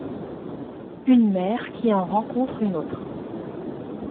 Une mère qui en rencontre une autre